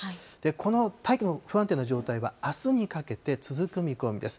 この大気の不安定な状態は、あすにかけて続く見込みです。